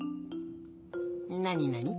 なになに？